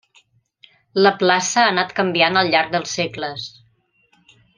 La plaça ha anat canviant al llarg dels segles.